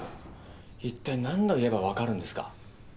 一体何度言えばわかるんですか？